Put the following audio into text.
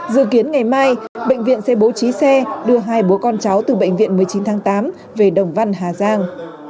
dự kiến ngày mai bệnh viện sẽ bố trí xe đưa hai bố con cháu từ bệnh viện một mươi chín tháng tám về đồng văn hà giang